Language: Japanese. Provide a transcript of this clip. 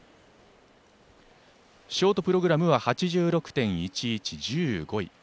ショートプログラムは８６．１１１５位。